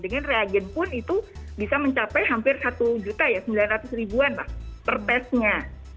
dengan reagen pun itu bisa mencapai hampir satu juta ya sembilan ratus ribuan pak per testnya